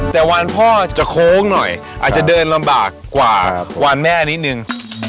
แต่วันพ่อจะโค้งหน่อยอาจจะเดินลำบากกว่าวานแม่นิดนึง